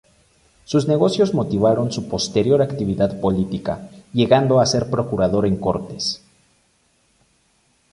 Sus negocios motivaron su posterior actividad política, llegando a ser procurador en Cortes.